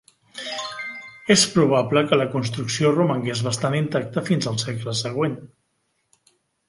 És probable que la construcció romangués bastant intacta fins al segle següent.